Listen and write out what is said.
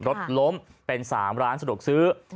รถล้มเป็น๓ร้านสะดวกซื้อ